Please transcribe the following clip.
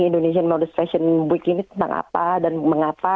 indonesian modus fashion week ini tentang apa dan mengapa